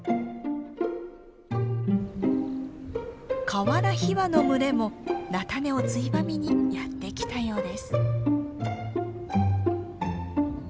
カワラヒワの群れも菜種をついばみにやって来たようです。